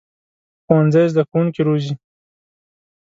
ښوونځی زده کوونکي روزي